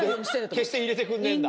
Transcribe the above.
決して入れてくれねえんだ。